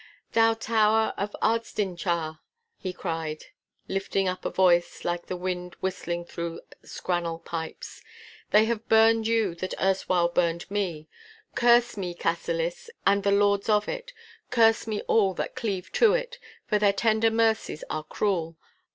'Thou tower of Ardstinchar,' he cried, lifting up a voice like the wind whistling through scrannel pipes, 'they have burned you that erstwhile burned me. Curse me Cassillis and the Lords of it! Curse me all that cleave to it, for their tender mercies are cruel.